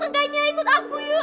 rangga ini ikut aku yuk